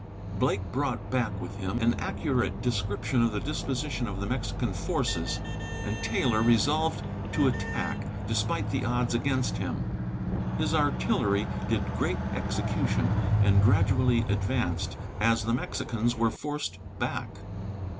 Blake brought back with him an accurate description of the disposition of the Mexican forces, and Taylor resolved to attack, despite the odds against him. His artillery did great execution, and gradually advanced, as the Mexicans were forced back.